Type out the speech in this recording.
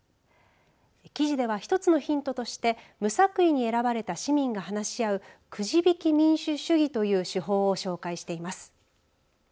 記事では１つのヒントとして無作為に選ばれた市民が話し合うくじ引き民主主義という手法を紹介しています。